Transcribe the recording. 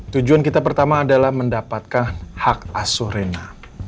tujuan kita pertama adalah mendapatkan hak asuh rena